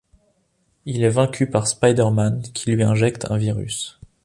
Il est vaincu par Spider-Man qui lui injecte un virus.